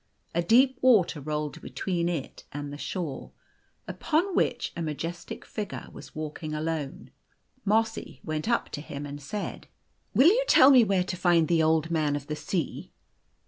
A deep water rolled between it and the shore, upon which a majestic figure was walk ing alone. Mossy went up to him and said, " Will you tell me where to find the Old Man of the Sea